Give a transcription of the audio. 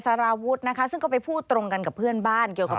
สารวุฒินะคะซึ่งก็ไปพูดตรงกันกับเพื่อนบ้านเกี่ยวกับ